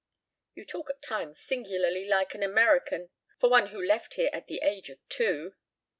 "You talk at times singularly like an American for one who left here at the age of two."